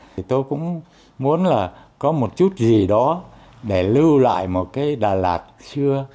thì tôi cũng muốn là có một chút gì đó để lưu lại một cái đà lạt xưa